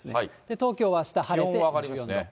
東京はあした晴れて１４度。